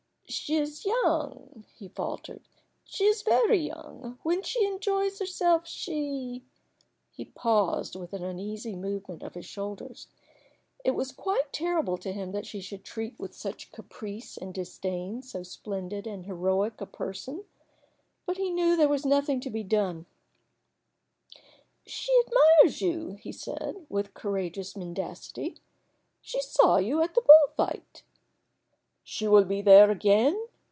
"She is young," he faltered "she is very young. When she enjoys herself she " He paused with an uneasy movement of his shoulders. It was quite terrible to him that she should treat with such caprice and disdain so splendid and heroic a person; but he knew there was nothing to be done. "She admires you," he said, with courageous mendacity. "She saw you at the bullfight." "She will be there again?